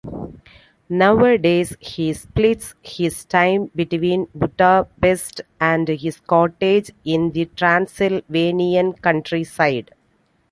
Nowadays, he splits his time between Budapest and his cottage in the Transylvanian countryside.